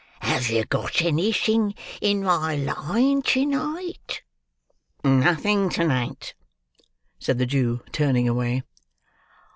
"Have you got anything in my line to night?" "Nothing to night," said the Jew, turning away.